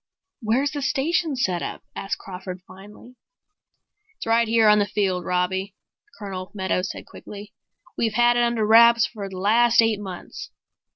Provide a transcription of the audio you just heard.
"Where's the station set up?" asked Crawford finally. "It's right here on the field, Robbie," Colonel Meadows said quickly. "We've had it under wraps for the last eight months.